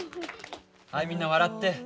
はいみんな笑って。